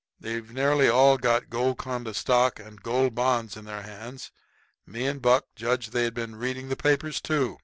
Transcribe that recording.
They've nearly all got Golconda stock and Gold Bonds in their hands. Me and Buck judged they'd been reading the papers, too.